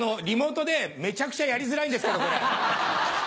リモートでめちゃくちゃやりづらいんですけどこれ。